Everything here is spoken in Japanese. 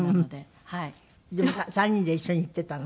でも３人で一緒に行ってたの？